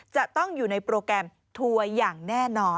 จะต้องอยู่ในโปรแกรมทัวร์อย่างแน่นอน